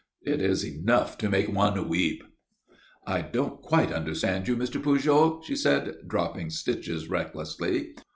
It is enough to make one weep." "I don't quite understand you, Mr. Pujol," she said, dropping stitches recklessly.